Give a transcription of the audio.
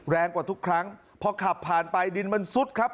แรงกว่าทุกครั้งพอขับผ่านไปดินมันซุดครับ